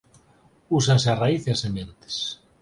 Úsanse a raíz e as sementes.